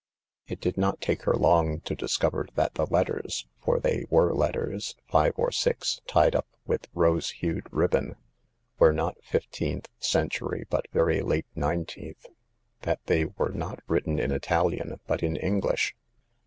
It did not take her long to discover that the letters — for they were letters, five or six, tied up with rose hued ribbon — were not fifteenth cen tury, but very late nineteenth ; that they were not written in Italian, but in English.